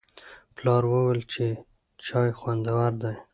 پلار وویل چې چای خوندور دی.